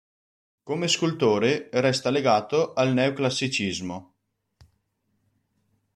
Come scultore resta legato al neoclassicismo.